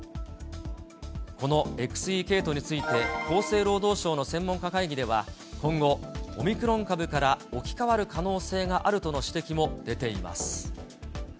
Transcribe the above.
このＸＥ系統について、厚生労働省の専門家会議では、今後、オミクロン株から置き換わる可能性があるとの指摘も出ています。